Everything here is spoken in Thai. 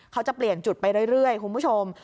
เขาจะเปลี่ยนจุดไปเรื่อยคุณผู้ชม